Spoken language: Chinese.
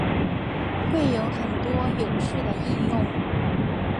会有很多有趣的应用